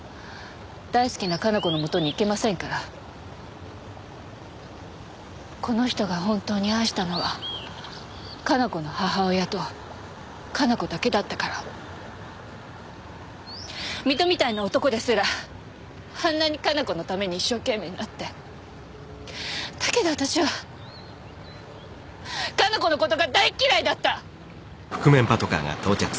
大好きな加奈子のもとに行けませんからこの人が本当に愛したのは加奈子の母親と加奈子だけだったから水戸みたいな男ですらあんなに加奈子のために一生懸命になってだけど私は加奈子のことが大っ嫌いだった！